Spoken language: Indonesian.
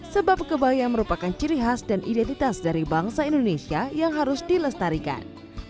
sebab kebaya merupakan ciri khas dan identitas dari bangsa indonesia yang harus dilestarikan